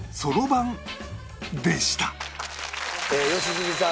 良純さん